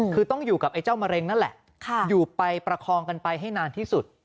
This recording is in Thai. คือต้องอยู่กับไอ้เจ้ามะเร็งนั่นแหละอยู่ไปประคองกันไปให้นานที่สุด